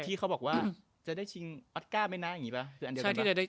ที่เขาบอกว่าจะได้ชิงออสการ์ไม่นาน่ะอย่างนี้เปล่า